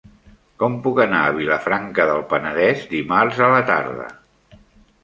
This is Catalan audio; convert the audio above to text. Com puc anar a Vilafranca del Penedès dimarts a la tarda?